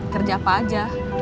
kerja apa aja